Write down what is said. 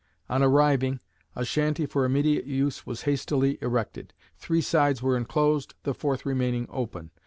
On arriving, a shanty for immediate use was hastily erected. Three sides were enclosed, the fourth remaining open.